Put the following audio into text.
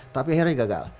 tapi akhirnya gagal